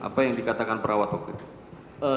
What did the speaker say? apa yang dikatakan perawat waktu itu